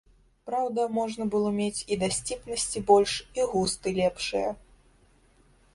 Праўда, можна было мець і дасціпнасці больш, і густы лепшыя.